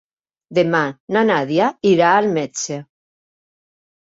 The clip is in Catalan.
Demà na Nàdia irà al metge.